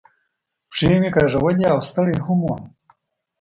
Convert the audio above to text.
پښې مې کاږولې او ستړی هم ووم.